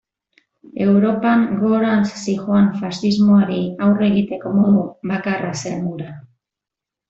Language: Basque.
Europan gorantz zihoan faxismoari aurre egiteko modu bakarra zen hura.